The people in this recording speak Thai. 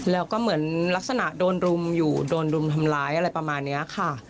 แล้วก็เหมือนลักษณะโดนรุมอยู่โดนรุมทำร้ายอะไรประมาณนี้ค่ะ